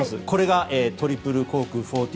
これがトリプルコーク１４４０。